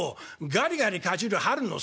「『ガリガリかじる春のサメ』」。